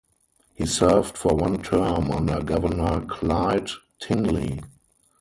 He served for one term under Governor Clyde Tingley.